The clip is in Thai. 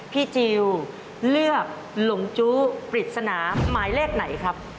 พี่จิลเลือกลงจุดลิสนาหมายเลขไหนครับ